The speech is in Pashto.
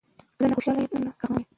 زه نه خوشحال یم زه نه رحمان یم